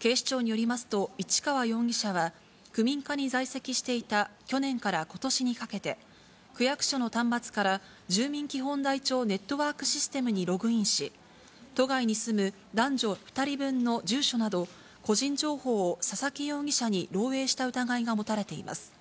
警視庁によりますと、市川容疑者は区民課に在籍していた去年からことしにかけて、区役所の端末から住民基本台帳ネットワークシステムにログインし、都外に住む男女２人分の住所など個人情報を佐々木容疑者に漏えいした疑いが持たれています。